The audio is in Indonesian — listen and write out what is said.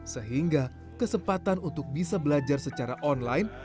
sehingga kesempatan untuk bisa belajar secara online